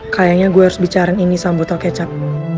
kayaknya gue harus bicara ini sama botol kecap